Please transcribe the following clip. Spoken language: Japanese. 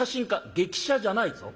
「激写じゃないぞ。